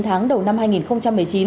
chín tháng đầu năm hai nghìn một mươi chín